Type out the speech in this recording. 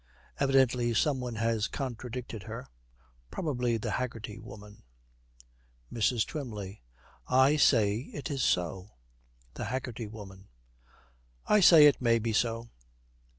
Evidently some one has contradicted her. Probably the Haggerty Woman. MRS. TWYMLEY. 'I say it is so.' THE HAGGERTY WOMAN. 'I say it may be so.'